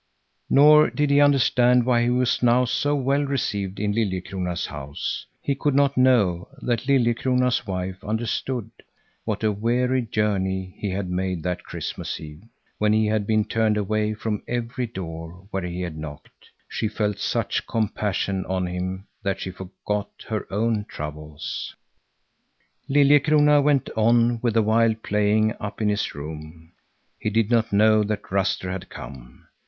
Nor did he understand why he was now so well received in Liljekrona's house. He could not know that Liljekrona's wife understood what a weary journey he had made that Christmas Eve, when he had been turned away from every door where he had knocked. She felt such compassion on him that she forgot her own troubles. Liljekrona went on with the wild playing up in his room; he did not know that Ruster had come.